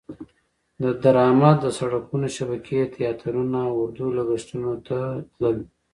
دا درامد د سرکونو شبکې، تیاترونه او اردو لګښتونو ته تلل.